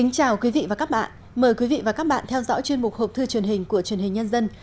chào mừng quý vị đến với bộ phim học thư truyền hình của truyền hình nhân dân